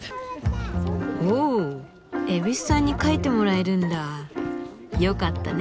おっ蛭子さんに描いてもらえるんだ。よかったね。